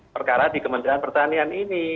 perkara di kementerian pertanian ini